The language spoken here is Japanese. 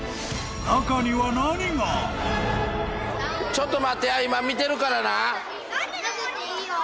ちょっと待ってや今見てるからな。